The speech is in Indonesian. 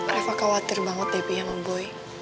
reva khawatir banget deh pi sama boy